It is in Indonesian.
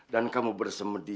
dan kamu bersemedi